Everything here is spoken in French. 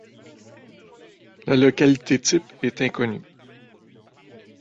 La localité type est inconnue.